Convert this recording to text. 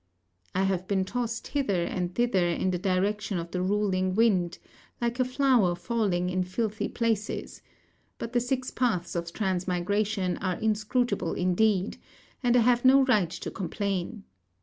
I have been tossed hither and thither in the direction of the ruling wind, like a flower falling in filthy places; but the six paths of transmigration are inscrutable indeed, and I have no right to complain.